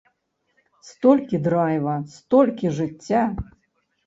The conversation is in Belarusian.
Столькі драйва, столькі жыцця!